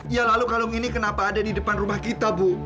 ya lalu kalung ini kenapa ada di depan rumah kita bu